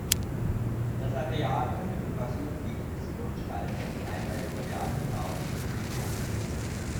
Das Areal unmittelbar südlich des Burgstalls ist teilweise modern bebaut und eingezäunt.